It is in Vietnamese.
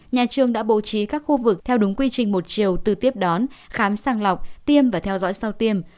nhà trường đã bố trí các khu vực theo đúng quy trình một chiều từ tiếp đón khám sàng lọc tiêm và theo dõi sau tiêm